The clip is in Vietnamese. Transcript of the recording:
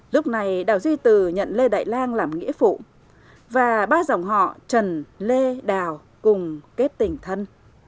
lúc này đào duy từ nhận lê đại lan làm nghĩa phụ và ba dòng họ trần lê đào cùng kết tình thân